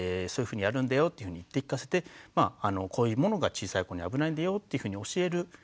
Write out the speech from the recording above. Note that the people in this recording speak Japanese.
そういうふうにやるんだよって言って聞かせてこういうものが小さい子に危ないんだよっていうふうに教える。